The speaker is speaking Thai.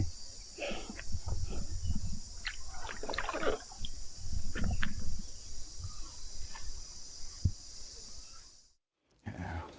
อ้าว